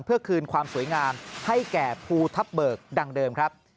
เพื่อคืนความสวยงามให้แก่ภูทับเบิกดังเดิมครับ